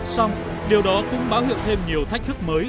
xong điều đó cũng báo hiệu thêm nhiều thách thức mới